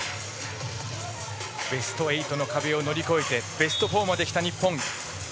ベスト８の壁を乗り越えてベスト４まできた日本。